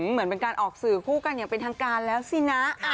เหมือนเป็นการออกสื่อคู่กันอย่างเป็นทางการแล้วสินะ